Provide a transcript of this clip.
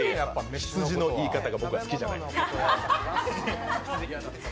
羊の言い方が僕は好きじゃない。